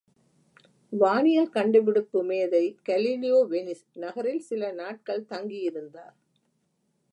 வானியல் கண்டுபிடிப்பு மேதை கலீலியோ வெனிஸ், நகரில் சில நாட்கள் தங்கி இருந்தார்.